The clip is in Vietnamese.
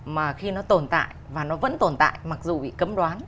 mà khi nó tồn tại và nó vẫn tồn tại mặc dù bị cấm đoán